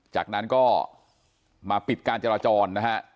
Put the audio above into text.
จากนั้นก็มาปิดการจราจรนะฮะ